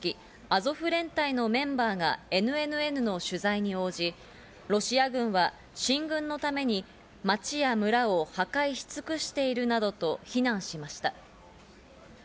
アゾフ連隊のメンバーがＮＮＮの取材に応じ、ロシア軍は進軍のために町や村を破壊し尽くしているなどと非難しました。